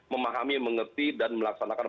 memahami mengerti dan melaksanakan